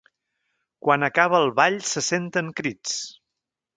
Quan acaba el ball se senten crits.